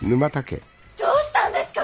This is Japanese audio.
どうしたんですか？